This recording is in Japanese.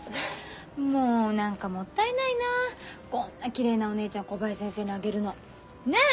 もう何かもったいないなこんなきれいなお姉ちゃん小林先生にあげるの。ねえ？